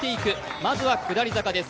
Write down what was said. まずは下り坂です。